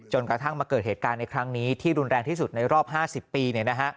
กระทั่งมาเกิดเหตุการณ์ในครั้งนี้ที่รุนแรงที่สุดในรอบ๕๐ปี